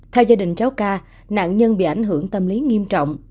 theo gia đình cháu ca nạn nhân bị ảnh hưởng tâm lý nghiêm trọng